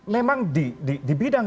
memang di bidang